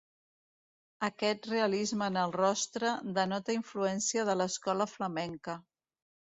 Aquest realisme en el rostre denota influència de l'escola flamenca.